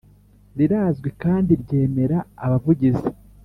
Rirazwi kandi ryemera abavugizi